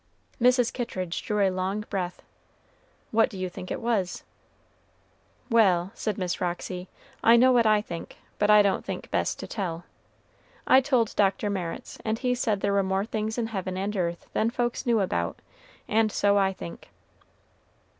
Mrs. Kittridge drew a long breath. "What do you think it was?" "Well," said Miss Roxy, "I know what I think, but I don't think best to tell. I told Doctor Meritts, and he said there were more things in heaven and earth than folks knew about and so I think."